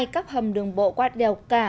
các hầm đường bộ quạt đèo cả